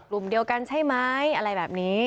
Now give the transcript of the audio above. กลุ่มเดียวกันใช่ไหมอะไรแบบนี้